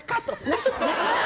なし！